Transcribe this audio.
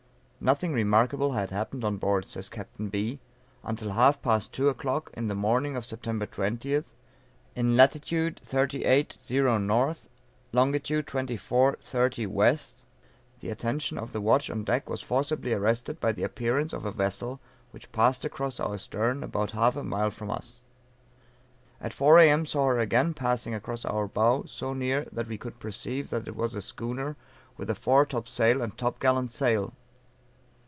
Nothing remarkable had happened on board, says Captain B., until half past two o'clock, in the morning of September 20th, in lat. 38, 0, N., lon. 24, 30, W. The attention of the watch on deck was forcibly arrested by the appearance of a vessel which passed across our stern about half a mile from us. At 4 A.M. saw her again passing across our bow, so near that we could perceive that it was a schooner with a fore top sail and top gallant sail.